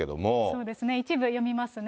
そうですね、一部、読みますね。